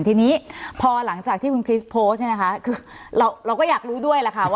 ทีนี้พอหลังจากที่คุณคริสโพสต์เนี่ยนะคะคือเราก็อยากรู้ด้วยแหละค่ะว่า